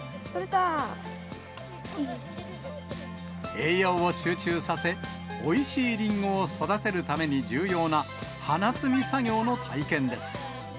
栄養を集中させ、おいしいりんごを育てるために重要な花摘み作業の体験です。